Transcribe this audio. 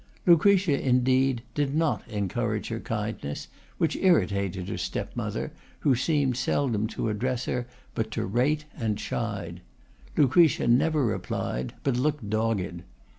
Lucretia, indeed, did not encourage her kindness, which irritated her step mother, who seemed seldom to address her but to rate and chide; Lucretia never replied, but looked dogged.